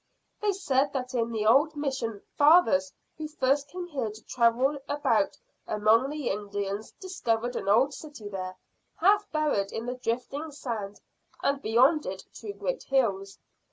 They said that the old mission fathers who first came here to travel about among the Indians discovered an old city there, half buried in the drifting sand, and beyond it two great hills.